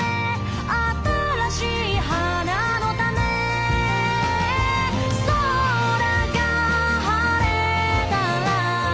「新しい花の種」「空が晴れたら」